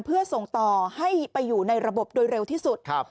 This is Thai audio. เพื่อส่งต่อให้ไปอยู่ในระบบโดยเร็วที่สุด